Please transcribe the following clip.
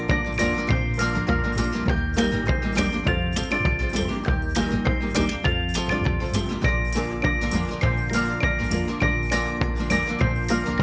bagaimana cara memperbaiki priestas yang memerlukan perintah kesehatan